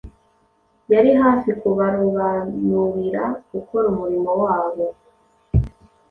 Yari hafi kubarobanurira gukora umurimo wabo.